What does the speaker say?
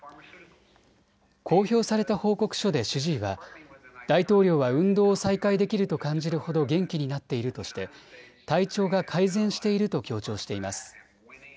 公表された報告書で主治医は大統領は運動を再開できると感じるほど元気になっているとして体調が改善していると強調しています。